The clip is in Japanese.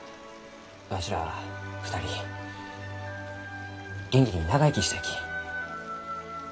わしら２人元気に長生きしたいき。